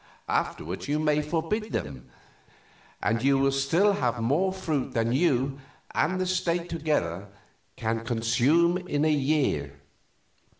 Afterward you may forbid them; and you will still have more fruit than you and the state together can consume in a year."